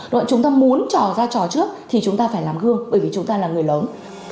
đoạn chúng ta muốn trò ra trò trước thì chúng ta phải làm gương bởi vì chúng ta là người lớn